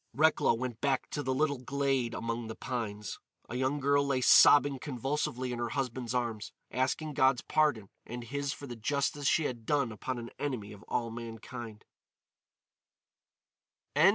Recklow went back to the little glade among the pines. A young girl lay sobbing convulsively in her husband's arms, asking God's pardon and his for the justice she had done upon an enemy of all mankind.